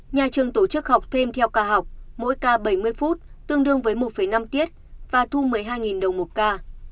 nhà trường tổ chức học thêm theo ca học mỗi ca bảy mươi phút tương đương với một năm tiết và thu một mươi hai đồng một ca